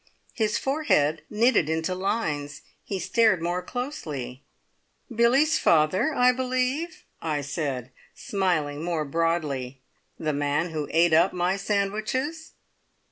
His forehead knitted into lines; he stared more closely. "Billy's father, I believe?" I said, smiling more broadly. "The man who ate up my sandwiches!"